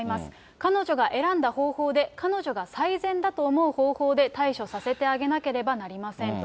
彼女が選んだ方法で、彼女が最善だと思う方法で対処させてあげなければなりませんと。